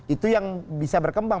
itu yang bisa berkembang